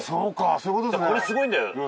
これスゴいんだよ。